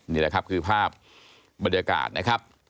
นี่แหละครับคือภาพบรรยากาศนะครับ